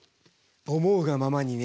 思うがままにね。